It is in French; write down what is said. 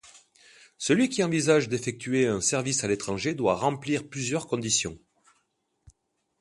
Celui qui envisage d'effectuer un service à l'étranger doit remplir plusieurs conditions.